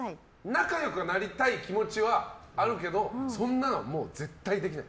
仲良くはなりたい気持ちはあるけどそんなの絶対できない。